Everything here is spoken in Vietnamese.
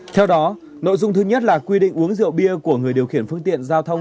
theo đó nội dung thứ nhất là quy định uống rượu bia của người điều khiển phương tiện giao thông